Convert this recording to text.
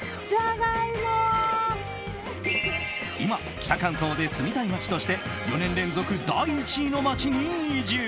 今、北関東で住みたい街として４年連続第１位の街に移住。